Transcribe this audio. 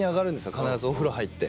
必ずお風呂入って。